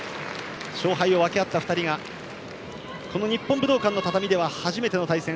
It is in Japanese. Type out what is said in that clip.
勝敗を分け合った２人がこの日本武道館の畳では初めての対戦。